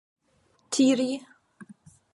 tiri